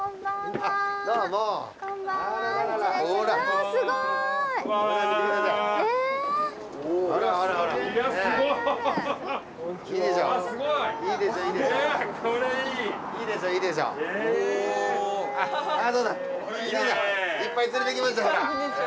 あっ宋さん！いっぱい連れてきましたよほら。